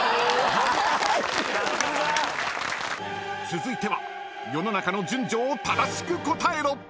［続いては世の中の順序を正しく答えろ！］